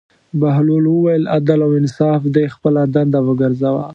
بهلول وویل: عدل او انصاف دې خپله دنده وګرځوه.